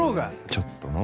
「ちょっとのう」